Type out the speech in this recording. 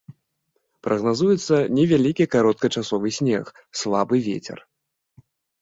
Прагназуецца невялікі кароткачасовы снег, слабы вецер.